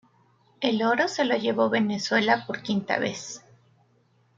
El oro se lo llevó Venezuela por quinta vez.